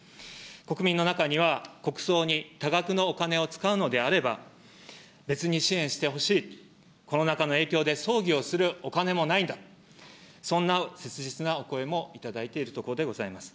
国民の中には国葬に多額のお金を使うのであれば、別に支援してほしい、コロナ禍の影響で葬儀をするお金もないんだ、そんな切実なお声も頂いているところでございます。